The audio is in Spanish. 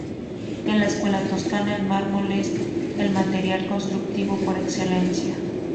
En la escuela toscana el mármol es el material constructivo por excelencia.